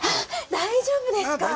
大丈夫ですよ。